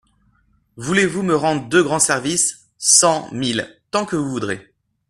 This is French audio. Voulez-vous me rendre deux grands services ? Cent, mille, tant que vous voudrez.